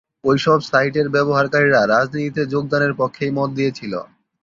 ওই সব সাইটের ব্যবহারকারীরা রাজনীতিতে যোগদানের পক্ষেই মত দিয়েছিল।